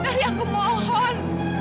otari otari aku mohon